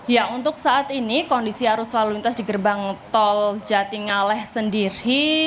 ya untuk saat ini kondisi arus lalu lintas di gerbang tol jati ngaleh sendiri